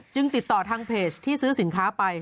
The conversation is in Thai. ติดต่อทางเพจที่ซื้อสินค้าไป